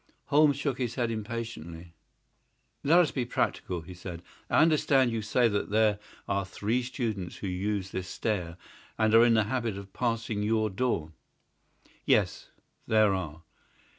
Holmes shook his head impatiently. "Let us be practical," said he. "I understand you to say that there are three students who use this stair and are in the habit of passing your door?" "Yes, there are."